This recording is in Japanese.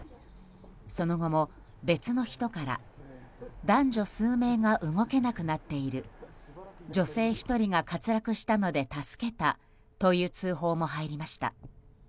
その後も、別の人から男女数名が動けなくなっている女性１人が滑落したので助けたという通報も入りました。